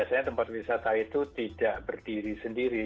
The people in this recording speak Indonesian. biasanya tempat wisata itu tidak berdiri sendiri